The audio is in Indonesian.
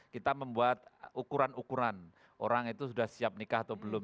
kita membuat ukuran ukuran orang itu sudah siap nikah atau belum